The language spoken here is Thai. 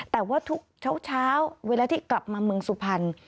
แต่ว่าทุกเช้าเวลาที่กลับมาเมืองสุพรรณ